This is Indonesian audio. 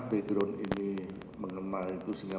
nah arch shelter cyber ternyata ada